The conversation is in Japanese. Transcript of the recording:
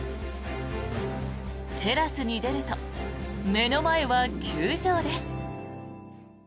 テラスに出ると目の前は球場です。